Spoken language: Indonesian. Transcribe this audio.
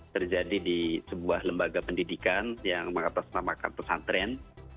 terjadi di sebuah lembaga pendidikan yang mengatasnamakan pesantren